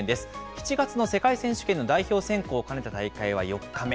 ７月の世界選手権の代表選考を兼ねた大会は４日目。